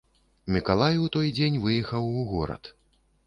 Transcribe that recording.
Мікалай у той дзень выехаў у горад.